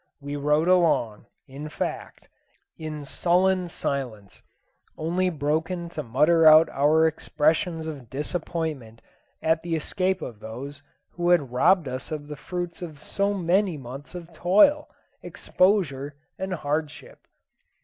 We rode along, in fact, in sullen silence, only broken to mutter out our expressions of disappointment at the escape of those who had robbed us of the fruits of so many months of toil, exposure, and hardship.